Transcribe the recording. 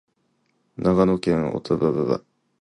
長野県小海町